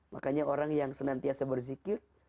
makanya orang yang senantiasa berzikir